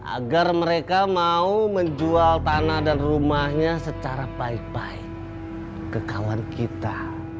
agar mereka mau menjual tanah dan rumahnya secara baik baik ke kawan kita